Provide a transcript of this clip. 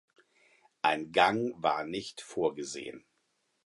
Ein Gang war nicht vorgesehen.